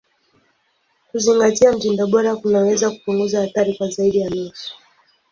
Kuzingatia mtindo bora kunaweza kupunguza hatari kwa zaidi ya nusu.